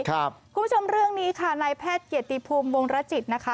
คุณผู้ชมเรื่องนี้ค่ะนายแพทย์เกียรติภูมิวงรจิตนะคะ